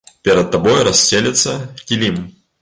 Перад табой рассцелецца, кілім.